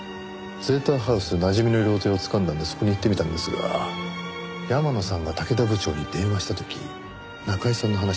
ゼータハウスなじみの料亭をつかんだんでそこに行ってみたんですが山野さんが竹田部長に電話した時仲居さんの話では。